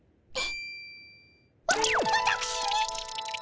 わわたくしに？